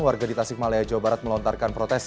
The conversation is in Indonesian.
warga di tasik malaya jawa barat melontarkan protes